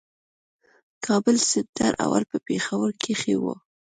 کابل سېنټر اول په پېښور کښي وو.